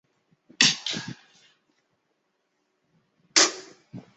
马车博物馆位于巴塞尔东南的明兴施泰因。